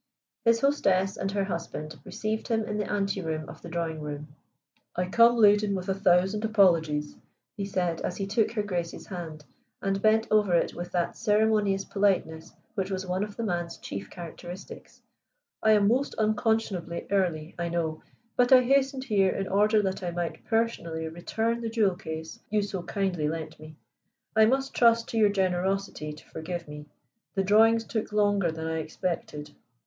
His hostess and her husband received him in the ante room of the drawing room. "I come laden with a thousand apologies," he said as he took Her Grace's hand, and bent over it with that ceremonious politeness which was one of the man's chief characteristics. "I am most unconscionably early, I know, but I hastened here in order that I might personally return the jewel case you so kindly lent me. I must trust to your generosity to forgive me. The drawings took longer than I expected."